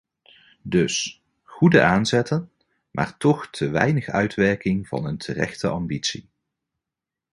Dus, goede aanzetten, maar toch te weinig uitwerking van een terechte ambitie.